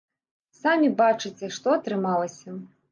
Самі бачыце, што атрымалася.